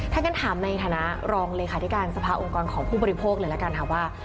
ถ้างั้นถามในฐานะรองเลขาธิการสภาองค์กรของผู้บริโภคเลยละกันค่ะว่า